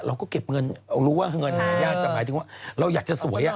เราก็เก็บเงินนางสมัยถึงว่าเราอยากจะสวย